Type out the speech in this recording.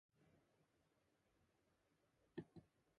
For example, Intellicorp was initially guided by Edward Feigenbaum.